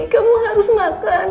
kamu harus makan